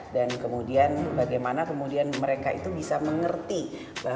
dan kemudian bagaimana kemudian mereka itu bisa mengerti bahwa politik itu gak seperti yang serem banget